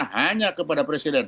hanya kepada presiden